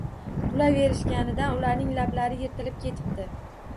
Kulaverishganidan ularning lablari yirtilib ketibdi